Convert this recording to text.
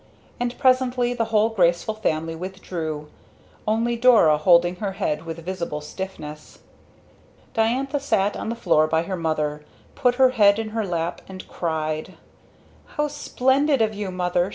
And presently the whole graceful family withdrew, only Dora holding her head with visible stiffness. Diantha sat on the floor by her mother, put her head in her lap and cried. "How splendid of you, Mother!"